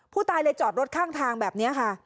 ผู้ตายเลยจอดรถข้างทางแบบนี้ค่ะ